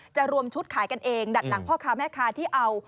รวมชุดขายกันเองดัดหลังพ่อค้าแม่ค้าที่เอา